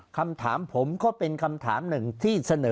คำถามผมก็เป็นคำถามหนึ่งที่เสนอ